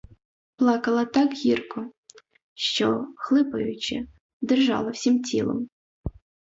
Плакала так гірко, що, хлипаючи, дрижала всім тілом.